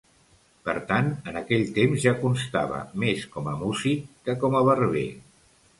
Per tant, en aquell temps ja constava més com a músic que com a barber.